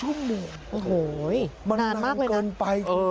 โอโหนานมากเละกันต่อนานเหมือนก่อนไป